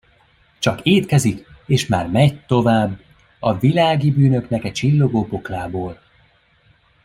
Csak étkezik, és már megy tovább, a világi bűnöknek e csillogó poklából.